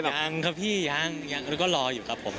ยังครับพี่ยังก็รออยู่ครับผม